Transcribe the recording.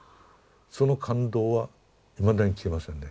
その感動はいまだに消えませんね。